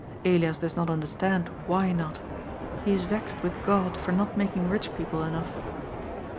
Elias does not understand why not He is vexed with God for not making rich people enough.